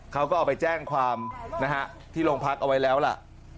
เขาก็เอาไปแจ้งความนะฮะที่โรงพักเอาไว้แล้วล่ะ